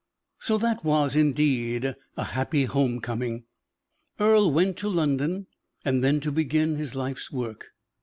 So that was, indeed, a happy coming home. Earle went to London then to begin his life's work.